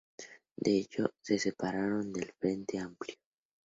De hecho, se separaron del Frente Amplio.